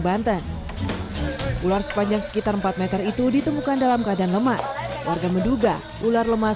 banten ular sepanjang sekitar empat meter itu ditemukan dalam keadaan lemas warga menduga ular lemas